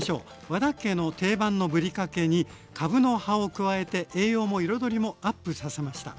和田家の定番のぶりかけにかぶの葉を加えて栄養も彩りもアップさせました。